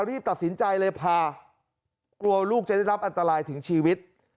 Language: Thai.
รีบตัดสินใจเลยพากลัวลูกจะได้รับอันตรายถึงชีวิต